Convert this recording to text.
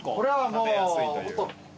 食べやすいという。